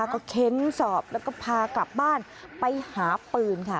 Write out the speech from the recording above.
แล้วก็พากลับบ้านไปหาปืนค่ะ